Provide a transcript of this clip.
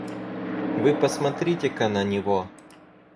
Вы посмотрите-ка на него.